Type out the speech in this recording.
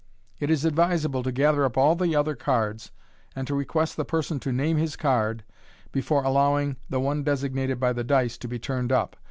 It is advisable to gather up all the other cards, and to request the person to name his card, before allowing the one designated by the dice to be turned up.